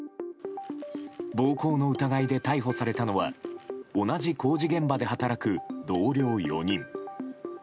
暴行の疑いで逮捕されたのは同じ工事現場で働く同僚４人。